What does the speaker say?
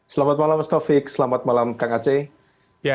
selamat malam mas taufik selamat malam kang aceh